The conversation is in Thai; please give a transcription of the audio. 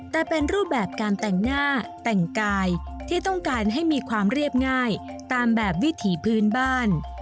แต่เป็นรูปแบบการแต่งหน้าแต่งกายที่ต้องการให้มีความเรียบง่ายตามแบบวิถีพื้นบ้าน